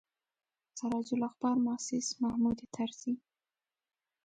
سراج الاخبار موسس محمود طرزي.